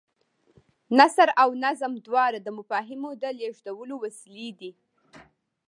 نثر او نظم دواړه د مفاهیمو د لېږدولو وسیلې دي.